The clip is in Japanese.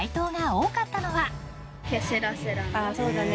そうだね